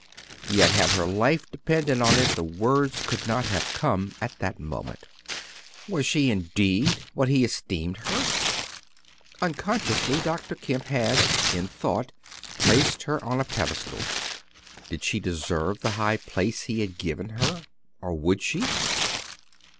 Yet had her life depended on it, the words could not have come at that moment. Was she indeed what he esteemed her? Unconsciously Dr. Kemp had, in thought, placed her on a pedestal. Did she deserve the high place he had given her, or would she?